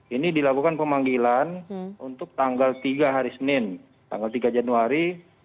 ini dilakukan pemanggilan untuk tanggal tiga hari senin tanggal tiga januari dua ribu dua puluh dua